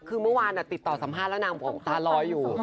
คือเมื่อวานติดต่อสัมภาษณ์แล้วนางบอกตาลอยอยู่